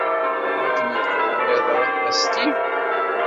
Tegneḍ akken iqwem iḍ-a a Steeve?